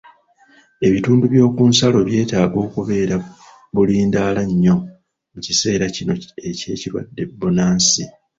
Ebitundu by'oku nsalo byetaaga okubeera bulindaala nnyo mu kiseera kino eky'ekirwadde bbunansi.